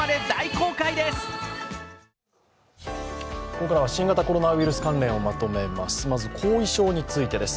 ここからは新型コロナウイルス関連をまとめます。